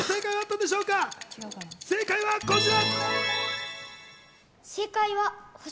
正解はこちら。